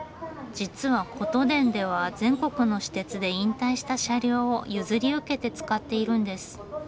実はことでんでは全国の私鉄で引退した車両を譲り受けて使っているんです。